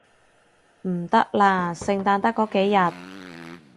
唔得啦，聖誕得嗰幾日